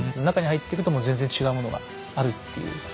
中に入っていくともう全然違うものがあるっていう。